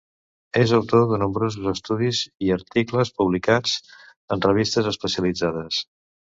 És autor de nombrosos estudis i articles, publicats en revistes especialitzades.